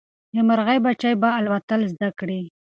د مرغۍ بچي به الوتل زده کړي.